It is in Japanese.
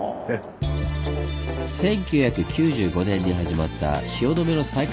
１９９５年に始まった汐留の再開発。